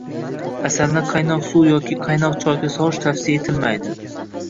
Asalni qaynoq suv yoki qaynoq choyga solish tavsiya etilmaydi.